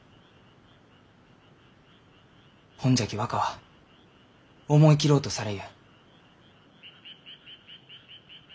ほんじゃき若は思い切ろうとされゆう。